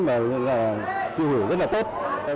mà chứ là kêu hưởng rất là tốt